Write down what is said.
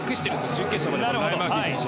準決勝までは、マーフィー選手。